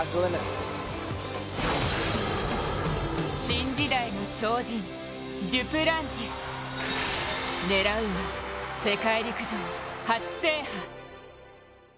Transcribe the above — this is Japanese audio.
新時代の鳥人・デュプランティス狙うは、世界陸上初制覇。